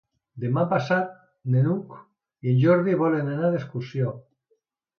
Demà passat n'Hug i en Jordi volen anar d'excursió.